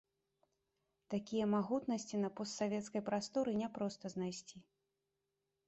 Такія магутнасці на постсавецкай прасторы няпроста знайсці.